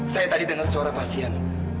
saya tadi dengar suara pasien